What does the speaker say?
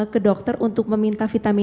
ke dokter untuk meminta vitamin